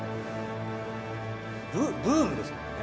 ブームですもんね。